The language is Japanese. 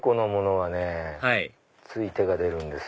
はいつい手が出るんです。